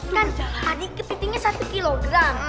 kan tadi keputihnya satu kg